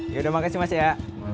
ya udah makasih mas ya